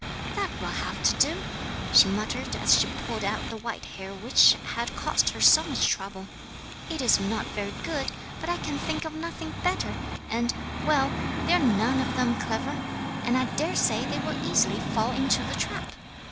'"That will have to do," she muttered as she pulled out the white hair which had cost her so much trouble. "It is not very good, but I can think of nothing better; and well, they are none of them clever, and I dare say they will easily fall into the trap."